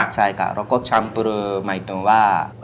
ใช่ค่ะแล้วก็จัมปุรือหมายถึงว่า